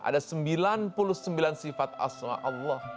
ada sembilan puluh sembilan sifat aswa allah